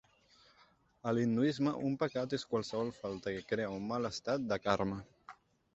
A l'hinduisme un pecat és qualsevol falta que crea un mal estat de karma.